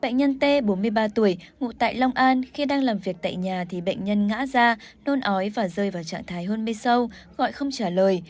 bệnh nhân t bốn mươi ba tuổi ngụ tại long an khi đang làm việc tại nhà thì bệnh nhân ngã ra nôn ói và rơi vào trạng thái hôn mê sâu gọi không trả lời